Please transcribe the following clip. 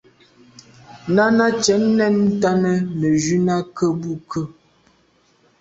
Náná cɛ̌d nɛ̂n ntɔ́nə́ nə̀ jún á kə̂ bû kə̂.